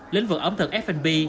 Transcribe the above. lĩnh vực ẩm thực fnb